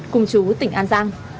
cùng chú tỉnh an giang